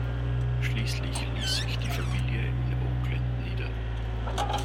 Schließlich ließ sich die Familie in Oakland nieder.